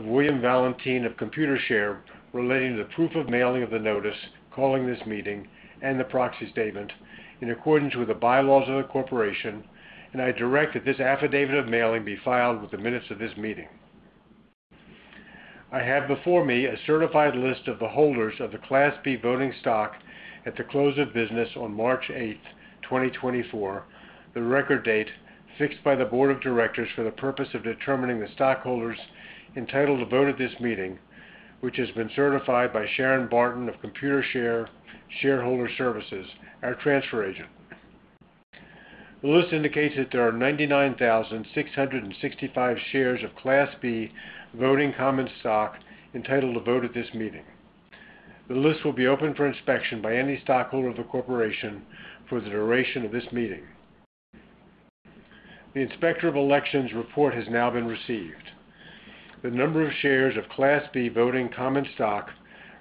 mailing of William Valentin of Computershare, relating to the proof of mailing of the notice, calling this meeting and the proxy statement in accordance with the bylaws of the corporation, and I direct that this affidavit of mailing be filed with the minutes of this meeting. I have before me a certified list of the holders of the Class B voting stock at the close of business on March eighth, 2024, the record date fixed by the board of directors for the purpose of determining the stockholders entitled to vote at this meeting, which has been certified by Sharon Barton of Computershare Shareholder Services, our transfer agent. The list indicates that there are 99,665 shares of Class B voting common stock entitled to vote at this meeting. The list will be open for inspection by any stockholder of the corporation for the duration of this meeting. The Inspector of Elections report has now been received. The number of shares of Class B voting common stock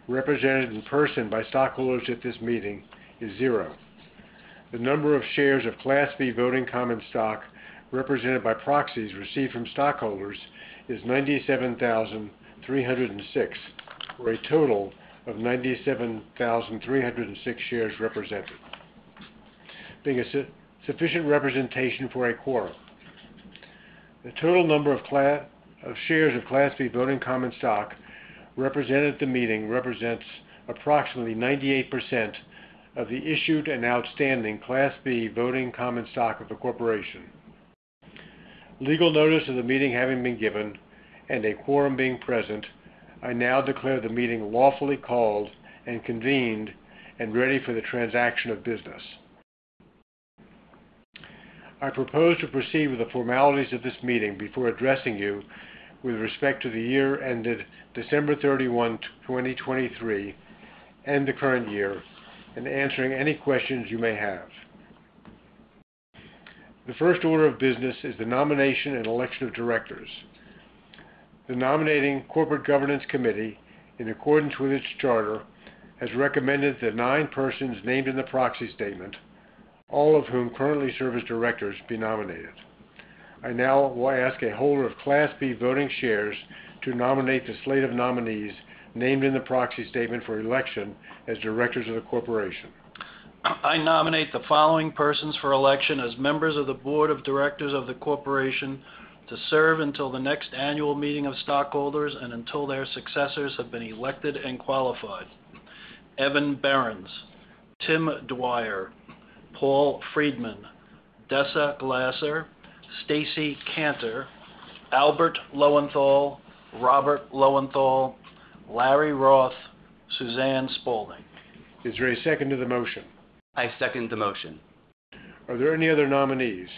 represented in person by stockholders at this meeting is 0. The number of shares of Class B voting common stock represented by proxies received from stockholders is 97,306, for a total of 97,306 shares represented, being a sufficient representation for a quorum. The total number of shares of Class B voting common stock represented at the meeting represents approximately 98% of the issued and outstanding Class B voting common stock of the corporation. Legal notice of the meeting having been given and a quorum being present, I now declare the meeting lawfully called and convened and ready for the transaction of business. I propose to proceed with the formalities of this meeting before addressing you with respect to the year ended December 31, 2023, and the current year, and answering any questions you may have. The first order of business is the nomination and election of directors. The Nominating Corporate Governance Committee, in accordance with its charter, has recommended that nine persons named in the proxy statement, all of whom currently serve as directors, be nominated. I now will ask a holder of Class B voting shares to nominate the slate of nominees named in the proxy statement for election as directors of the corporation. I nominate the following persons for election as members of the board of directors of the corporation to serve until the next annual meeting of stockholders and until their successors have been elected and qualified. Evan Behrens, Tim Dwyer, Paul Friedman, Teresa Glasser, Stacy Kanter, Albert Lowenthal, Robert Lowenthal, Lawrence Roth, Suzanne Spaulding. Is there a second to the motion? I second the motion. Are there any other nominees?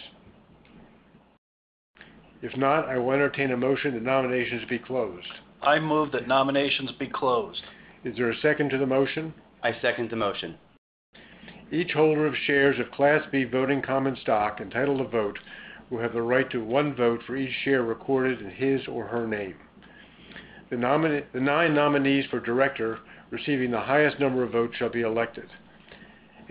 If not, I will entertain a motion that nominations be closed. I move that nominations be closed. Is there a second to the motion? I second the motion. Each holder of shares of Class B voting common stock entitled to vote will have the right to one vote for each share recorded in his or her name. The nominee... The nine nominees for director receiving the highest number of votes shall be elected.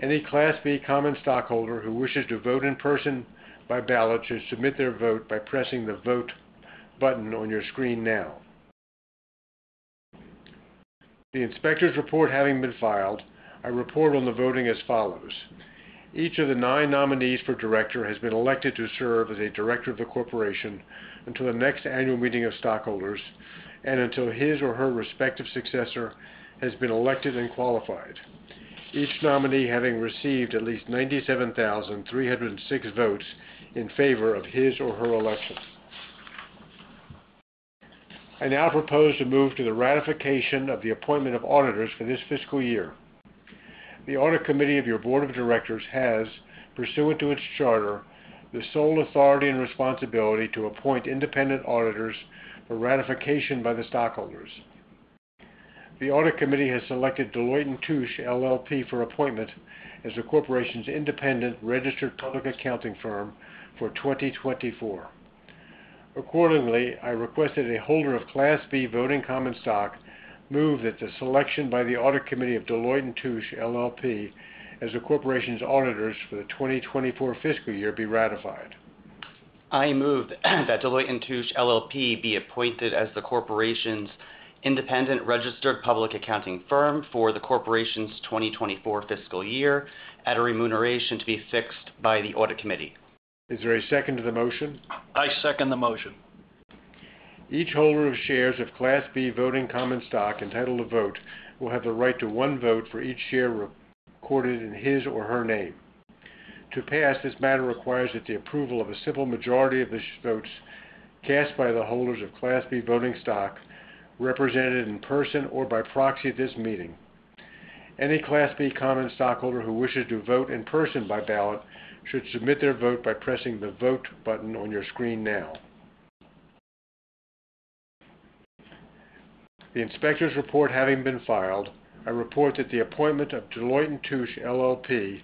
Any Class B common stockholder who wishes to vote in person by ballot should submit their vote by pressing the vote button on your screen now. The inspector's report having been filed, I report on the voting as follows: Each of the nine nominees for director has been elected to serve as a director of the corporation until the next annual meeting of stockholders and until his or her respective successor has been elected and qualified, each nominee having received at least 97,306 votes in favor of his or her election. I now propose to move to the ratification of the appointment of auditors for this fiscal year. The Audit Committee of your Board of Directors has, pursuant to its charter, the sole authority and responsibility to appoint independent auditors for ratification by the stockholders. The Audit Committee has selected Deloitte & Touche LLP for appointment as the corporation's independent registered public accounting firm for 2024. Accordingly, I request that a holder of Class B voting common stock move that the selection by the Audit Committee of Deloitte & Touche LLP, as the corporation's auditors for the 2024 fiscal year, be ratified. I move, that Deloitte & Touche LLP be appointed as the corporation's independent registered public accounting firm for the corporation's 2024 fiscal year at a remuneration to be fixed by the Audit Committee. Is there a second to the motion? I second the motion. Each holder of shares of Class B voting common stock entitled to vote will have the right to one vote for each share recorded in his or her name. To pass, this matter requires that the approval of a simple majority of the votes cast by the holders of Class B voting stock, represented in person or by proxy at this meeting. Any Class B common stockholder who wishes to vote in person by ballot should submit their vote by pressing the vote button on your screen now. The inspector's report having been filed, I report that the appointment of Deloitte & Touche LLP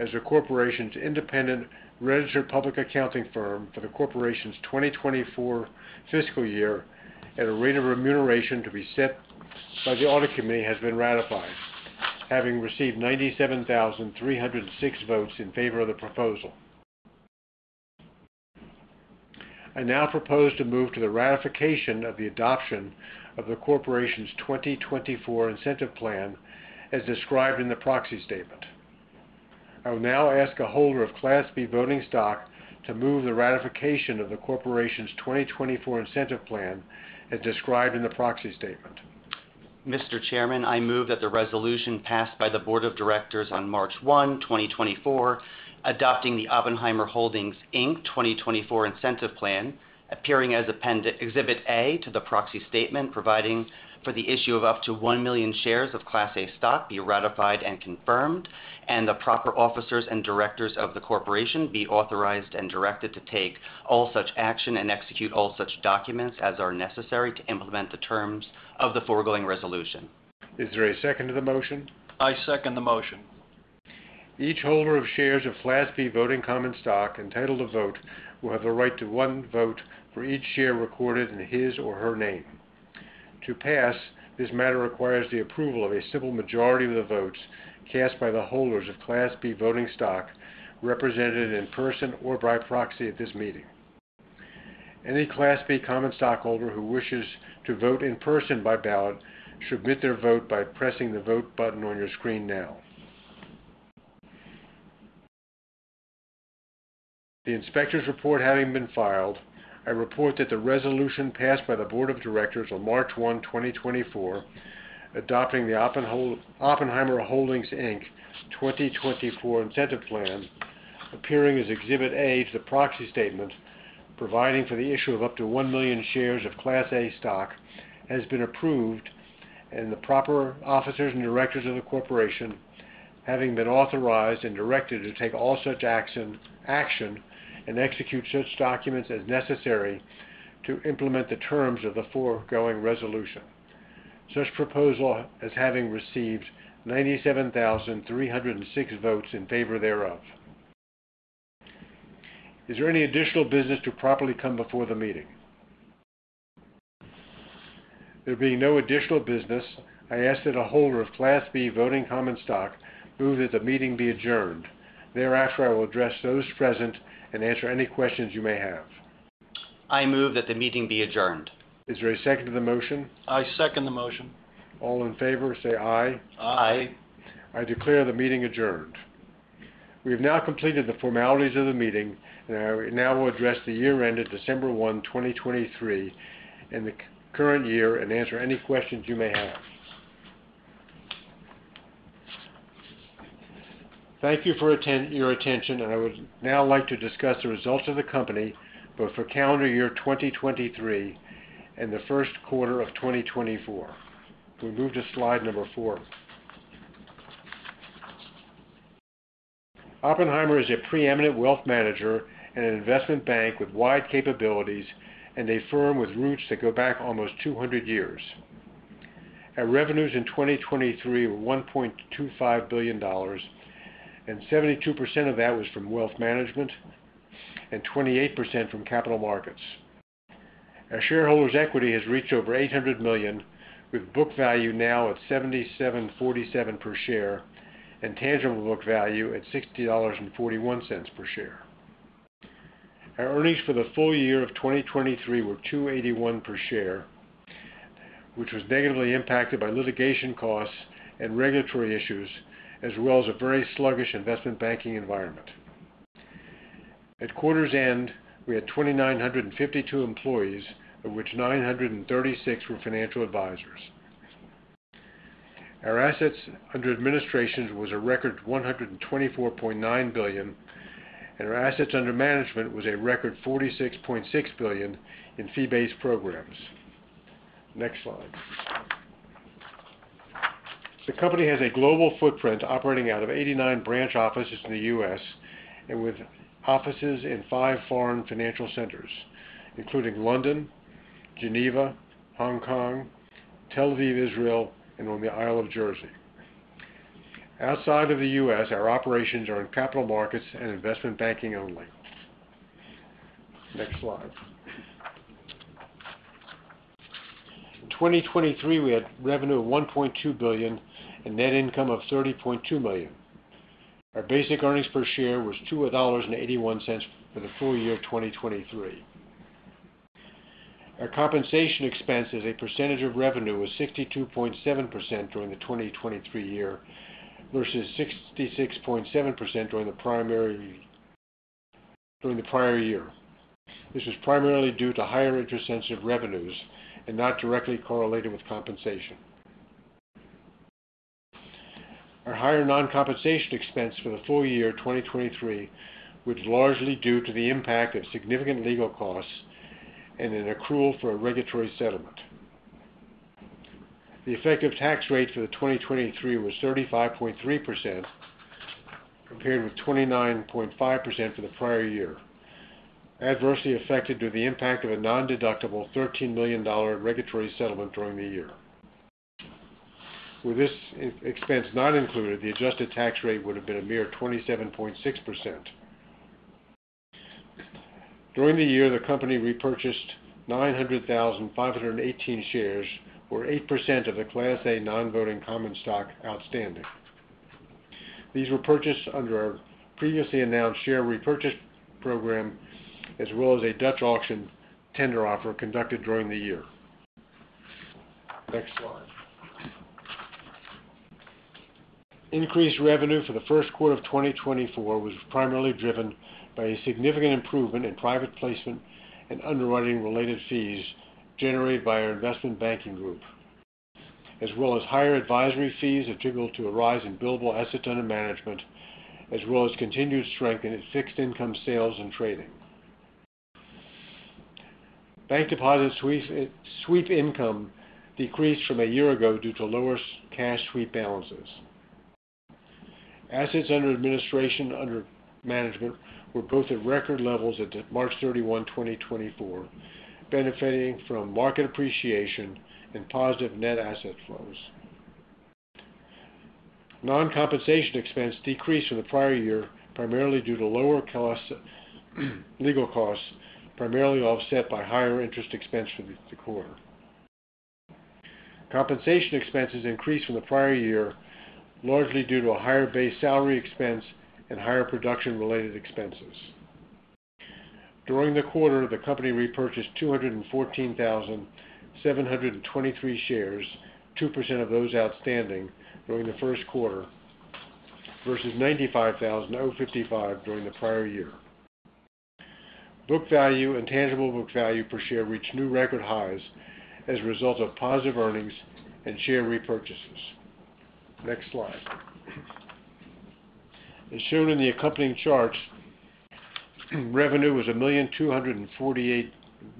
as the corporation's independent registered public accounting firm for the corporation's 2024 fiscal year at a rate of remuneration to be set by the Audit Committee has been ratified, having received 97,306 votes in favor of the proposal. I now propose to move to the ratification of the adoption of the corporation's 2024 incentive plan, as described in the proxy statement. I will now ask a holder of Class B voting stock to move the ratification of the corporation's 2024 incentive plan, as described in the proxy statement. Mr. Chairman, I move that the resolution passed by the Board of Directors on March 1, 2024, adopting the Oppenheimer Holdings, Inc., 2024 incentive plan, appearing as Appendix Exhibit A to the proxy statement, providing for the issue of up to 1 million shares of Class A stock, be ratified and confirmed, and the proper officers and directors of the corporation be authorized and directed to take all such action and execute all such documents as are necessary to implement the terms of the foregoing resolution. Is there a second to the motion? I second the motion. Each holder of shares of Class B voting common stock, entitled to vote, will have the right to one vote for each share recorded in his or her name. To pass, this matter requires the approval of a simple majority of the votes cast by the holders of Class B voting stock, represented in person or by proxy at this meeting. Any Class B common stock holder who wishes to vote in person by ballot, should submit their vote by pressing the vote button on your screen now. The inspector's report having been filed, I report that the resolution passed by the board of directors on March 1, 2024, adopting the Oppenheimer Holdings, Inc., 2024 incentive plan, appearing as Exhibit A to the proxy statement, providing for the issue of up to 1 million shares of Class A stock, has been approved, and the proper officers and directors of the corporation, having been authorized and directed to take all such action and execute such documents as necessary to implement the terms of the foregoing resolution, such proposal as having received 97,306 votes in favor thereof. Is there any additional business to properly come before the meeting? There being no additional business, I ask that a holder of Class B voting common stock move that the meeting be adjourned. Thereafter, I will address those present and answer any questions you may have. I move that the meeting be adjourned. Is there a second to the motion? I second the motion. All in favor say aye. Aye. Aye. I declare the meeting adjourned. We have now completed the formalities of the meeting, and I now will address the year ended December 31, 2023, and the current year, and answer any questions you may have. Thank you for your attention, and I would now like to discuss the results of the company, both for calendar year 2023 and the first quarter of 2024. We move to slide number 4. Oppenheimer is a preeminent wealth manager and an investment bank with wide capabilities and a firm with roots that go back almost 200 years. Our revenues in 2023 were $1.25 billion, and 72% of that was from wealth management and 28% from capital markets. Our shareholders' equity has reached over $800 million, with book value now at $77.47 per share and tangible book value at $60.41 per share. Our earnings for the full year of 2023 were $2.81 per share, which was negatively impacted by litigation costs and regulatory issues, as well as a very sluggish investment banking environment. At quarter's end, we had 2,952 employees, of which 936 were financial advisors. Our assets under administration was a record $124.9 billion, and our assets under management was a record $46.6 billion in fee-based programs. Next slide. The company has a global footprint, operating out of 89 branch offices in the U.S. and with offices in five foreign financial centers, including London, Geneva, Hong Kong, Tel Aviv, Israel, and on the Isle of Jersey. Outside of the US, our operations are in capital markets and investment banking only. Next slide. In 2023, we had revenue of $1.2 billion and net income of $30.2 million. Our basic earnings per share was $2.81 for the full year of 2023. Our compensation expense as a percentage of revenue was 62.7% during the 2023 year, versus 66.7% during the prior year. This was primarily due to higher interest sensitive revenues and not directly correlated with compensation. Our higher non-compensation expense for the full year 2023, was largely due to the impact of significant legal costs and an accrual for a regulatory settlement. The effective tax rate for the 2023 was 35.3%, compared with 29.5% for the prior year. Adversely affected due to the impact of a nondeductible $13 million regulatory settlement during the year. With this expense not included, the adjusted tax rate would have been a mere 27.6%.... During the year, the company repurchased 900,518 shares, or 8% of the Class A non-voting common stock outstanding. These were purchased under our previously announced share repurchase program, as well as a Dutch auction tender offer conducted during the year. Next slide. Increased revenue for the first quarter of 2024 was primarily driven by a significant improvement in private placement and underwriting-related fees generated by our investment banking group, as well as higher advisory fees attributable to a rise in billable assets under management, as well as continued strength in its fixed income sales and trading. Bank deposit sweep income decreased from a year ago due to lower cash sweep balances. Assets under administration and under management were both at record levels at March 31, 2024, benefiting from market appreciation and positive net asset flows. Non-compensation expense decreased from the prior year, primarily due to lower legal costs, primarily offset by higher interest expense for the quarter. Compensation expenses increased from the prior year, largely due to a higher base salary expense and higher production-related expenses. During the quarter, the company repurchased 214,723 shares, 2% of those outstanding during the first quarter, versus 95,055 during the prior year. Book value and tangible book value per share reached new record highs as a result of positive earnings and share repurchases. Next slide. As shown in the accompanying charts, revenue was $1.248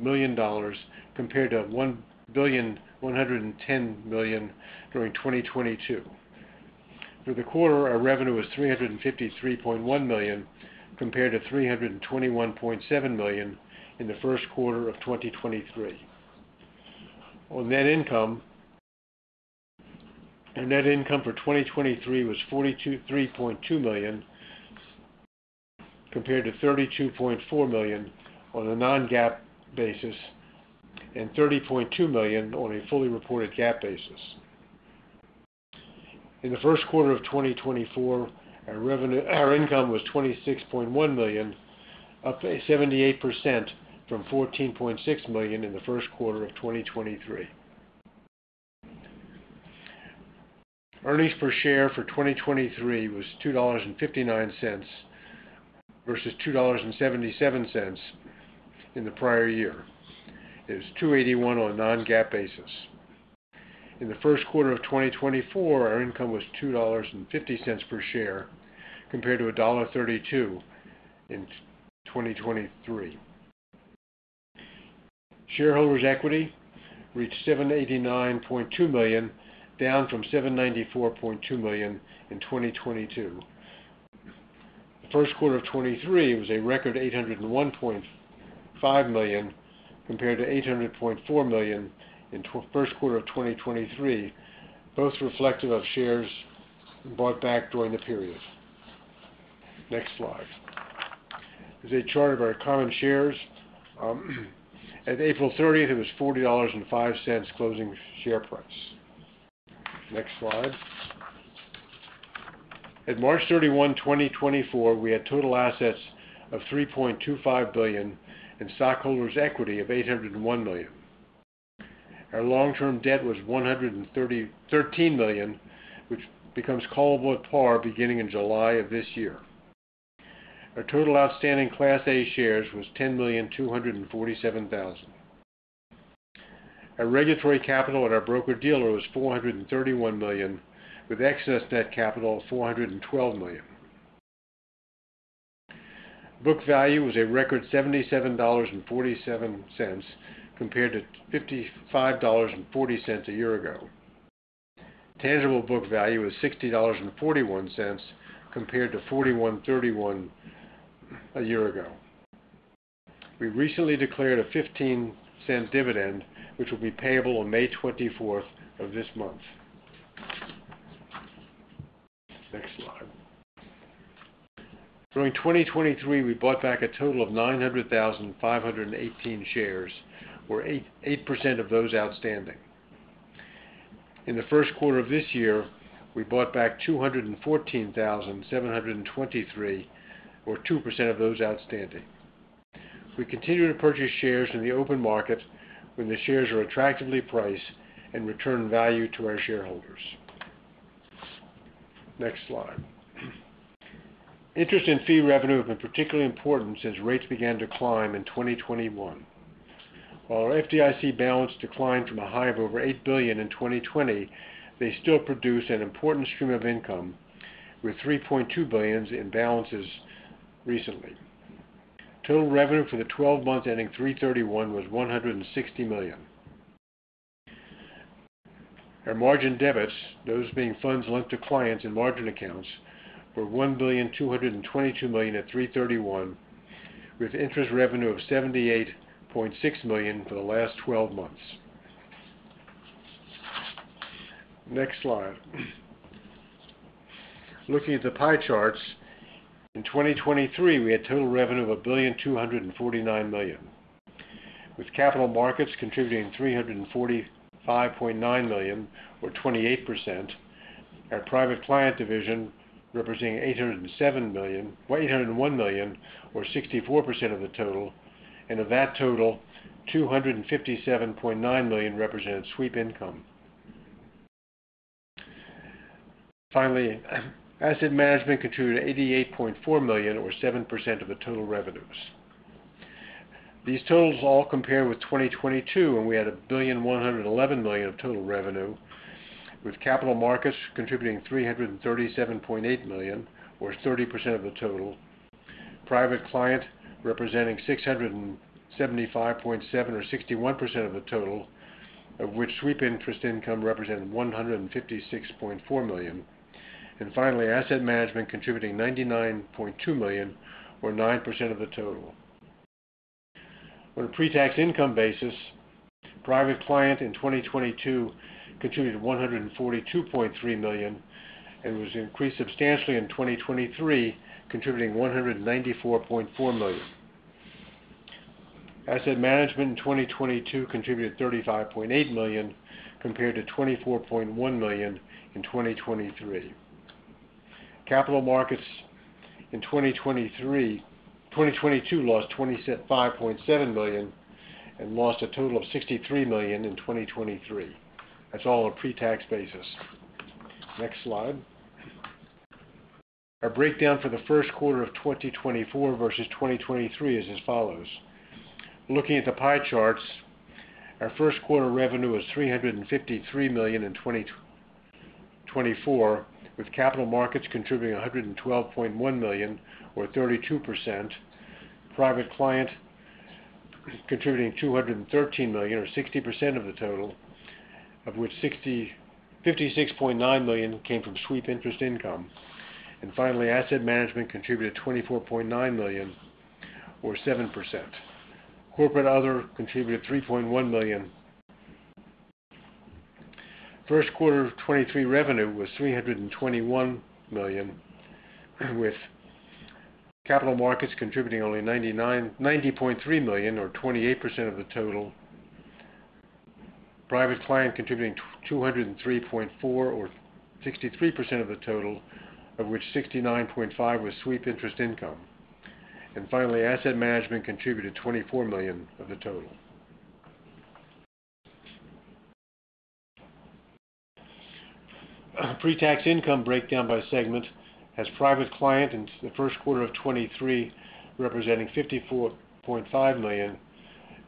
billion, compared to $1.110 billion during 2022. For the quarter, our revenue was $353.1 million, compared to $321.7 million in the first quarter of 2023. On net income, our net income for 2023 was $42.3 million, compared to $32.4 million on a non-GAAP basis and $30.2 million on a fully reported GAAP basis. In the first quarter of 2024, our income was $26.1 million, up 78% from $14.6 million in the first quarter of 2023. Earnings per share for 2023 was $2.59, versus $2.77 in the prior year. It was $2.81 on a non-GAAP basis. In the first quarter of 2024, our income was $2.50 per share, compared to $1.32 in 2023. Shareholders' equity reached $789.2 million, down from $794.2 million in 2022. The first quarter of 2023 was a record $801.5 million, compared to $800.4 million in first quarter of 2023, both reflective of shares bought back during the period. Next slide. Here's a chart of our common shares. As of April 30, it was $40.05 closing share price. Next slide. At March 31, 2024, we had total assets of $3.25 billion and stockholders' equity of $801 million. Our long-term debt was $133 million, which becomes callable at par beginning in July of this year. Our total outstanding Class A shares was 10,247,000. Our regulatory capital at our broker-dealer was $431 million, with excess net capital of $412 million. Book value was a record $77.47, compared to $55.40 a year ago. Tangible book value is $60.41, compared to $41.31 a year ago. We recently declared a $0.15 dividend, which will be payable on May 24 of this month. Next slide. During 2023, we bought back a total of 950,518 shares, or 8.8% of those outstanding. In the first quarter of this year, we bought back 214,723, or 2% of those outstanding. We continue to purchase shares in the open market when the shares are attractively priced and return value to our shareholders. Next slide. Interest and fee revenue have been particularly important since rates began to climb in 2021. While our FDIC balance declined from a high of over $8 billion in 2020, they still produce an important stream of income, with $3.2 billion in balances recently. Total revenue for the twelve months ending 3/31 was $160 million. Our margin debits, those being funds lent to clients in margin accounts, were $1.222 billion at 3/31, with interest revenue of $78.6 million for the last twelve months... Next slide. Looking at the pie charts, in 2023, we had total revenue of $1,249 million, with capital markets contributing $345.9 million, or 28%. Our private client division representing $807 million-$801 million, or 64% of the total, and of that total, $257.9 million represented sweep income. Finally, asset management contributed $88.4 million, or 7% of the total revenues. These totals all compare with 2022, when we had $1,111 million of total revenue, with capital markets contributing $337.8 million, or 30% of the total. Private client representing $675.7, or 61% of the total, of which sweep interest income represented $156.4 million. Finally, Asset Management contributing $99.2 million, or 9% of the total. On a pre-tax income basis, Private Client in 2022 contributed to $142.3 million and was increased substantially in 2023, contributing $194.4 million. Asset Management in 2022 contributed $35.8 million, compared to $24.1 million in 2023. Capital Markets in 2022 lost $25.7 million and lost a total of $63 million in 2023. That's all on a pre-tax basis. Next slide. Our breakdown for the first quarter of 2024 versus 2023 is as follows: looking at the pie charts, our first quarter revenue was $353 million in 2024, with capital markets contributing $112.1 million, or 32%, private client contributing $213 million, or 60% of the total, of which $56.9 million came from sweep interest income. And finally, asset management contributed $24.9 million, or 7%. Corporate other contributed $3.1 million. First quarter of 2023 revenue was $321 million, with capital markets contributing only $90.3 million, or 28% of the total. Private client contributing $203.4 or 63% of the total, of which $69.5 was sweep interest income. Finally, asset management contributed $24 million of the total. Pre-tax income breakdown by segment has private client in the first quarter of 2023, representing $54.5 million,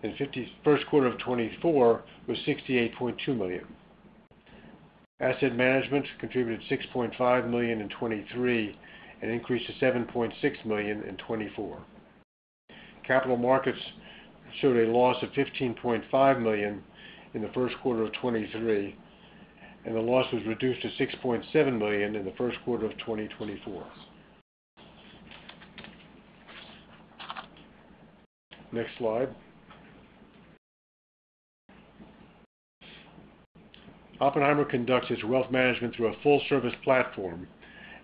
and in the first quarter of 2024 was $68.2 million. Asset management contributed $6.5 million in 2023, an increase to $7.6 million in 2024. Capital markets showed a loss of $15.5 million in the first quarter of 2023, and the loss was reduced to $6.7 million in the first quarter of 2024. Next slide. Oppenheimer conducts its wealth management through a full-service platform,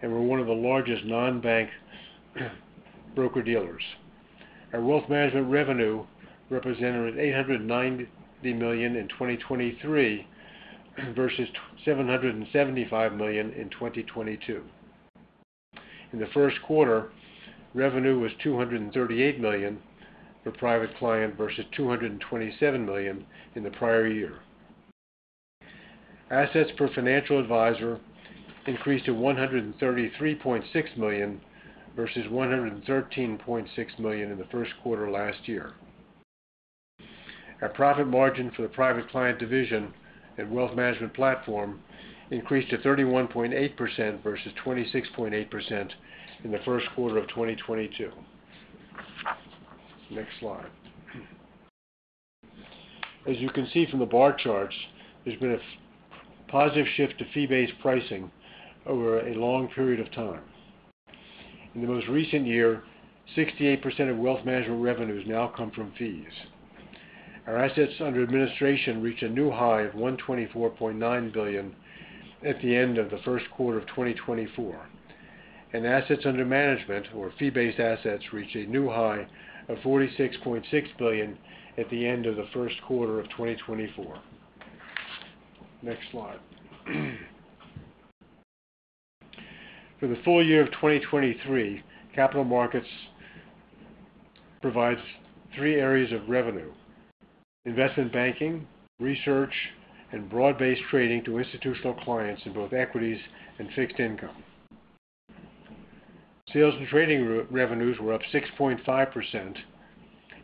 and we're one of the largest non-bank broker-dealers. Our wealth management revenue represented $890 million in 2023, versus $775 million in 2022. In the first quarter, revenue was $238 million for private client versus $227 million in the prior year. Assets per financial advisor increased to $133.6 million versus $113.6 million in the first quarter of last year. Our profit margin for the private client division and wealth management platform increased to 31.8% versus 26.8% in the first quarter of 2022. Next slide. As you can see from the bar charts, there's been a positive shift to fee-based pricing over a long period of time. In the most recent year, 68% of wealth management revenues now come from fees. Our assets under administration reached a new high of $124.9 billion at the end of the first quarter of 2024, and assets under management, or fee-based assets, reached a new high of $46.6 billion at the end of the first quarter of 2024. Next slide. For the full year of 2023, capital markets provides three areas of revenue: investment banking, research, and broad-based trading to institutional clients in both equities and fixed income. Sales and trading revenues were up 6.5%.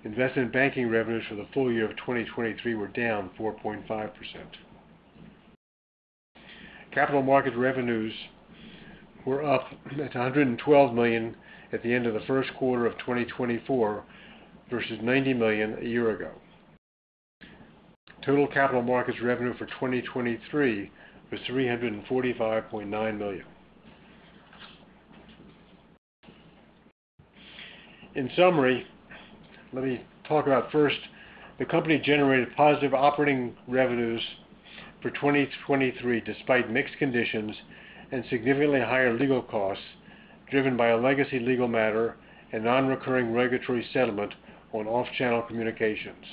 Investment banking revenues for the full year of 2023 were down 4.5%. Capital markets revenues were up to $112 million at the end of the first quarter of 2024 versus $90 million a year ago. Total capital markets revenue for 2023 was $345.9 million. In summary, let me talk about first, the company generated positive operating revenues for 2023, despite mixed conditions and significantly higher legal costs, driven by a legacy legal matter and nonrecurring regulatory settlement on off-channel communications.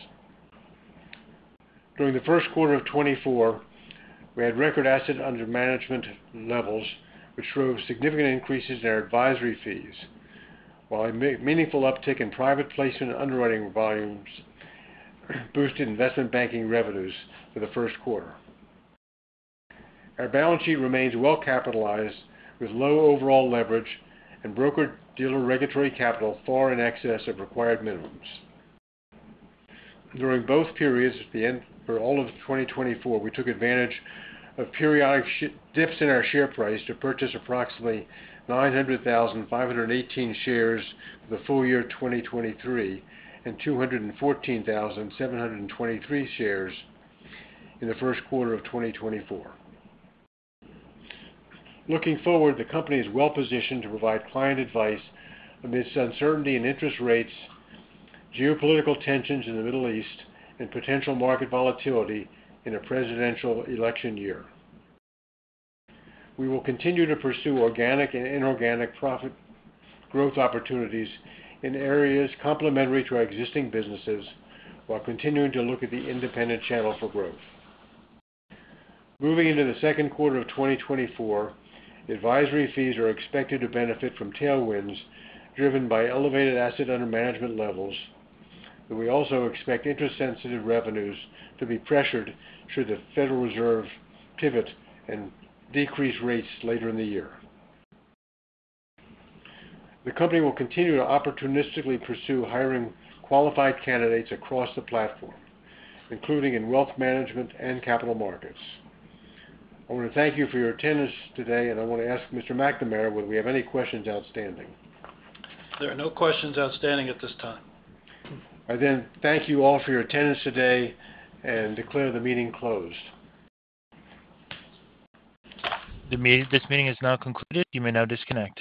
During the first quarter of 2024, we had record asset under management levels, which drove significant increases in our advisory fees, while a meaningful uptick in private placement underwriting volumes, boosted investment banking revenues for the first quarter. Our balance sheet remains well capitalized, with low overall leverage and broker-dealer regulatory capital far in excess of required minimums. During both periods, for all of 2024, we took advantage of periodic dips in our share price to purchase approximately 900,518 shares for the full year 2023, and 214,723 shares in the first quarter of 2024. Looking forward, the company is well-positioned to provide client advice amidst uncertainty in interest rates, geopolitical tensions in the Middle East, and potential market volatility in a presidential election year. We will continue to pursue organic and inorganic profit growth opportunities in areas complementary to our existing businesses, while continuing to look at the independent channel for growth. Moving into the second quarter of 2024, advisory fees are expected to benefit from tailwinds, driven by elevated assets under management levels, but we also expect interest-sensitive revenues to be pressured should the Federal Reserve pivot and decrease rates later in the year. The company will continue to opportunistically pursue hiring qualified candidates across the platform, including in wealth management and capital markets. I want to thank you for your attendance today, and I want to ask Mr. McNamara whether we have any questions outstanding? There are no questions outstanding at this time. I then thank you all for your attendance today, and declare the meeting closed. This meeting is now concluded. You may now disconnect.